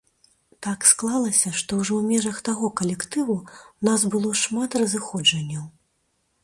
Так склалася, што ўжо ў межах таго калектыву ў нас было шмат разыходжанняў.